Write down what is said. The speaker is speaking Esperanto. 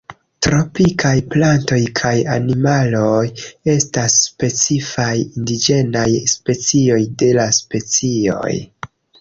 Tropikaj plantoj kaj animaloj estas specifaj indiĝenaj specioj de la specioj.